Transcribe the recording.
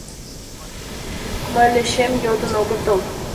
— Мылечем йодын огытыл.